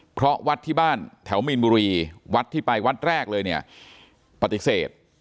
เพราะวัดที่บ้านแถวมีนบุรีวัดที่ไปวัดแรกเลยเนี่ยปฏิเสธ